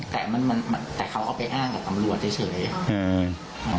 แต่มันมันแต่เขาเอาไปอ้างกับตำรวจเฉยเฉยอืม